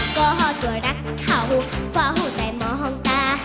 ก็ตัวรักเขาเฝ้าแต่มองตา